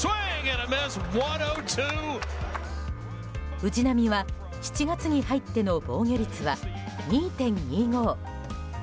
藤浪は７月に入っての防御率は２．２５。